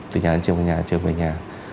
từ nhà đến trường về nhà trường về nhà